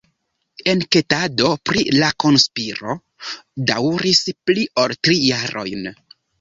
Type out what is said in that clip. Enketado pri la konspiro daŭris pli ol tri jarojn.